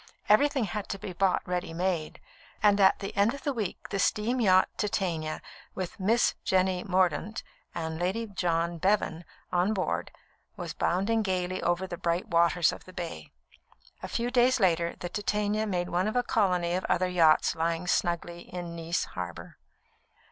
Everything had to be bought ready made; and at the end of the week the steam yacht Titania, with "Miss Jenny Mordaunt" and Lady John Bevan on board, was bounding gaily over the bright waters of the Bay. A few days later, the Titania made one of a colony of other yachts lying snugly in Nice harbour.